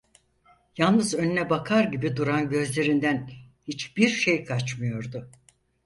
Yalnız önüne bakar gibi duran gözlerinden hiçbir şey kaçmıyordu.